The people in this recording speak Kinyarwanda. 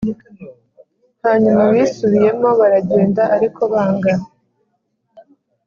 Hanyuma bisubiyemo baragenda ariko banga